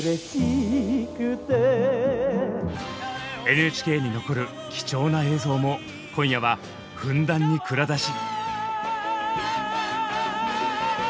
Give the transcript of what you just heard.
ＮＨＫに残る貴重な映像も今夜はふんだんに蔵出し。